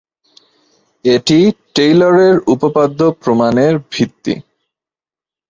এটি টেইলরের উপপাদ্য প্রমাণের ভিত্তি।